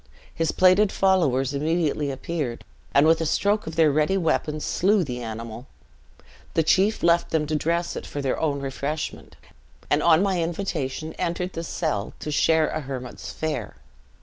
His plaided followers immediately appeared, and with a stroke of their ready weapons slew the animal. The chief left them to dress it for their own refreshment; and on my invitation, entered the cell to share a hermit's fare.